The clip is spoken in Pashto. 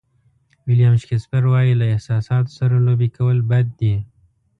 ویلیام شکسپیر وایي له احساساتو سره لوبې کول بد دي.